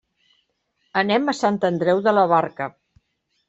Anem a Sant Andreu de la Barca.